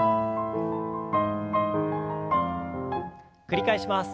繰り返します。